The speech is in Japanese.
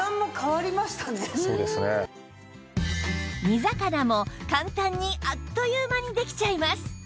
煮魚も簡単にあっという間にできちゃいます